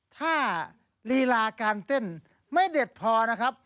ถ้าลีลาการเต้นไม่เด็ดพอนะครับ